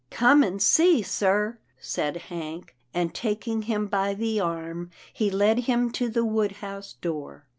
" Come and see, sir," said Hank, and, taking him by the arm, he led him to the wood house door.